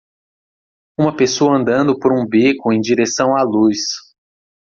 Uma pessoa andando por um beco em direção à luz.